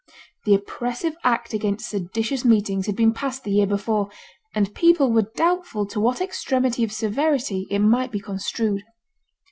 The oppressive act against seditious meetings had been passed the year before; and people were doubtful to what extremity of severity it might be construed.